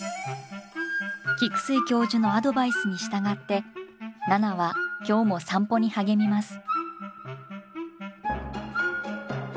菊水教授のアドバイスに従って奈々は今日も散歩に励みます。